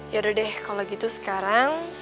yaudah deh kalau gitu sekarang